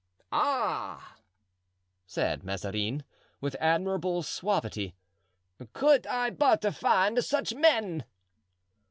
"Ah!" said Mazarin, with admirable suavity, "could I but find such men!"